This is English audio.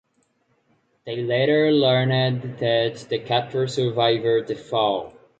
They later learned that the captor survived the fall.